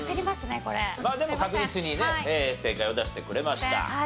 まあでも確実にね正解を出してくれました。